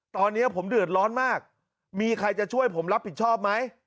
ตอนนี้ผมเดือดร้อนมากมีใครจะช่วยผมรับผิดชอบไหม